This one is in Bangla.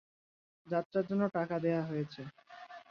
যাত্রার জন্য টাকা দেয়া হয়েছে।